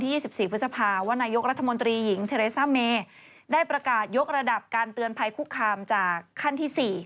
๒๔พฤษภาว่านายกรัฐมนตรีหญิงเทเลซ่าเมได้ประกาศยกระดับการเตือนภัยคุกคามจากขั้นที่สี่